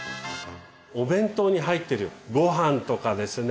お弁当に入ってるごはんとかですね